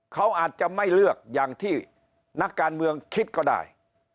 เขาอาจจะไม่เลือกอย่างที่นักการเมืองคิดก็ได้